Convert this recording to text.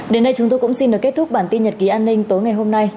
đến đây chúng tôi cũng xin được kết thúc bản tin nhật ký an ninh tối ngày hôm nay